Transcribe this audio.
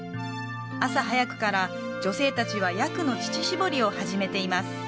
朝早くから女性達はヤクの乳搾りを始めています